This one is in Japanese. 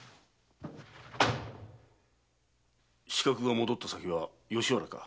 刺客が戻った先は吉原か？